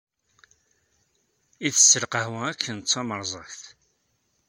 Itess lqahwa akken d tamerẓagt.